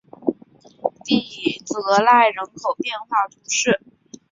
利泽赖人口变化图示